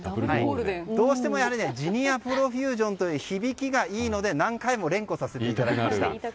どうしてもジニアプロフュージョンという響きがいいので何回も連呼させていただきました。